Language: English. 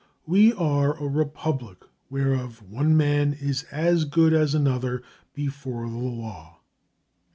We are a republic whereof one man is as good as another before the law.